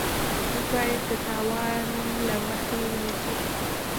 موږ باید د تاوان مخه ونیسو.